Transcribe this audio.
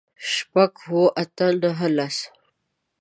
شپږ، اووه، اته، نهه، لس